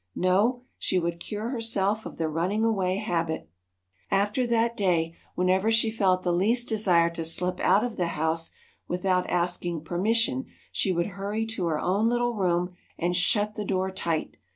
No she would cure herself of the running away habit! After that day, whenever she felt the least desire to slip out of the house without asking permission, she would hurry to her own little room and shut the door tight.